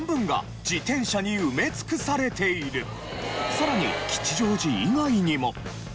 さらに吉祥寺以外にも。